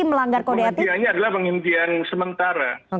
seringkali pemberhentiannya adalah penghentian sementara